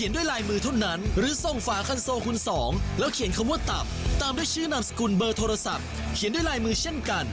ได้แล้วตั้งแต่วันนี้ถึง๓๑กรกฎาคม๒๕๖๖